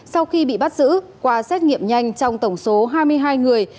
sau khi bị bắt giữ qua xét nghiệm nhanh trong tổng số hai mươi hai người